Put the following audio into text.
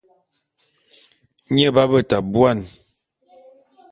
Nye b'abeta buan.